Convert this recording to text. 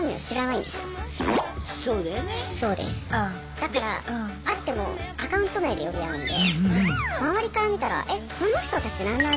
だから会ってもアカウント名で呼び合うんで周りから見たらえっこの人たち何の集まり？